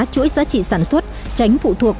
chuỗi giá trị sản xuất tránh phụ thuộc